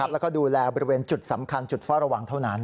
แล้วก็ดูแลบริเวณจุดสำคัญจุดเฝ้าระวังเท่านั้น